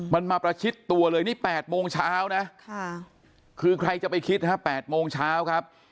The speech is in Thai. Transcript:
มันมาประชิดตัวเลยนี่๘โมงเช้านะคือใครจะไปคิดฮะ๘โมงเช้าครับ